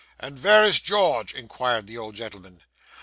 'And vere is George?' inquired the old gentleman.